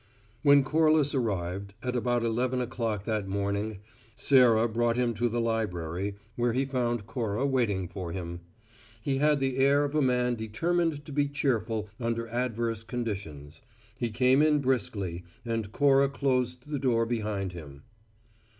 .... When Corliss arrived, at about eleven o'clock that morning, Sarah brought him to the library, where he found Cora waiting for him. He had the air of a man determined to be cheerful under adverse conditions: he came in briskly, and Cora closed the door behind him.